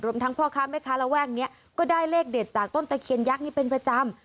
ทั้งพ่อค้าแม่ค้าระแวกนี้ก็ได้เลขเด็ดจากต้นตะเคียนยักษ์นี้เป็นประจำ